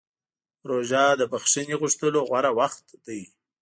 روژه د بښنې غوښتلو غوره وخت دی.